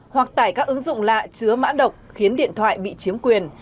hoặc tải các ứng dụng lạ chứa mã độc khiến điện thoại bị chiếm quyền